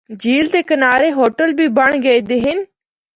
جھیل دے کنارے ہوٹل بھی بنڑ گئے دے ہن۔